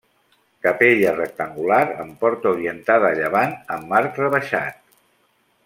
Capella rectangular amb porta orientada a llevant amb arc rebaixat.